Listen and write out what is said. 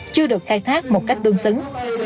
chưa được khai thác một cách đương xứng